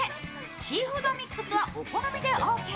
シーフードミックスはお好みでオーケー。